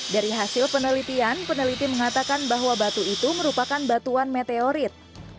dari hasil penelitian peneliti mengatakan bahwa batu itu merupakan batuan meteorit